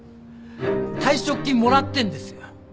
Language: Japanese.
退職金もらってんですよ。